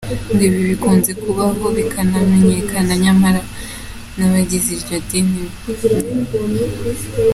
Ngo ibi bikunze kubaho bikanamenyekana, nyamara abagizi iryo dini bakabigira ibanga.